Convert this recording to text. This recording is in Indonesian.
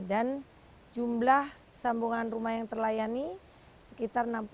dan jumlah sambungan rumah yang terlayani sekitar enam puluh ribu